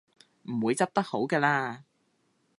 唔會執得好嘅喇